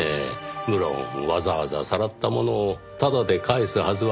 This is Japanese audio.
無論わざわざさらったものをタダで返すはずはないので。